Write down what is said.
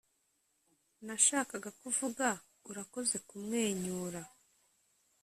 nashakaga kuvuga, urakoze kumwenyura